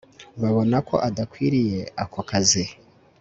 Babona ko adakwiriye ako kazi